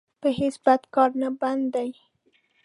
په هېڅ بد کار نه بند دی.